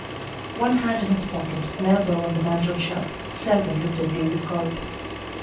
One hand in his pocket, an elbow on the mantel shelf, Selwyn looked at David Guard.